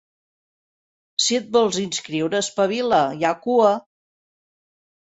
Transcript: Si et vols inscriure, espavila, hi ha cua.